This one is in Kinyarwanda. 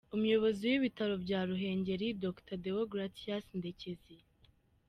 Umuyobozi w’ibitaro bya Ruhengeri Dr Deogratias Ndekezi.